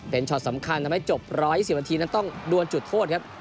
เป็นช็อตสำคัญทำให้จบ๑๒๐นาทีนั้นต้องดวนจุดโทษครับ